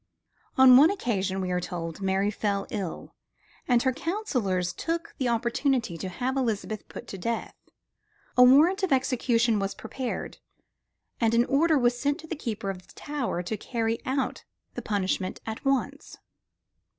On one occasion, we are told, Mary fell ill; and her counselors took the opportunity to have Elizabeth put to death. A warrant for her execution was prepared, and an order was sent to the keeper of the Tower to carry out the punishment at once.